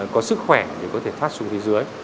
có sức khỏe để có thể thoát xuống thế giới